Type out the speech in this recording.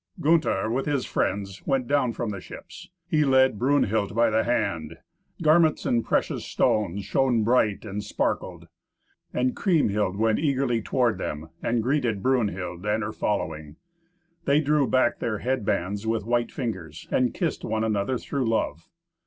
Gunther, with his friends, went down from the ships; he led Brunhild by the hand; garments and precious stones shone bright and sparkled. And Kriemhild went eagerly toward them, and greeted Brunhild and her following. They drew back their head bands with white fingers, and kissed one another through love.